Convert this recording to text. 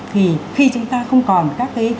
thì khi chúng ta không còn các cái